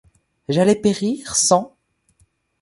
J’allais périr sans...